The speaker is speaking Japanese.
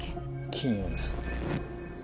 金曜です。